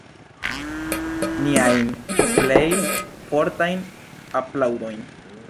Niajn plej fortajn aplaŭdojn.